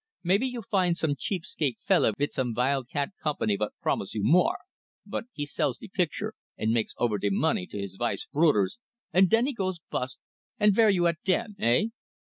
Maybe you find some cheap skate feller vit some vild cat company vot promise you more; but he sells de picture and makes over de money to his vife's brudders, and den he goes bust, and vere you at den, hey?